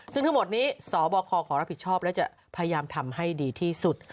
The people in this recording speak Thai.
ซึ่งทั้งหมดนี้สบคขอรับผิดชอบและจะพยายามทำให้ดีที่สุด